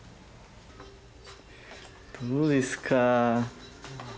どうですか？